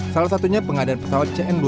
salah satunya pengadaan pesawat cnv